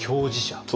そう。